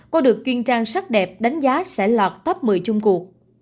cô được chuyên trang sắc đẹp đánh giá sẽ lọt tấp một mươi chung cuộc